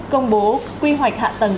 công bố quy hoạch hạ tầng